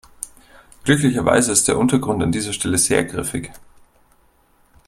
Glücklicherweise ist der Untergrund an dieser Stelle sehr griffig.